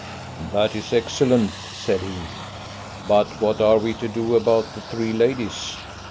"That is excellent," said he. "But what are we to do about the three ladies?"